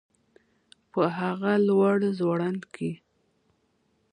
په هغه لوړ ځوړند کي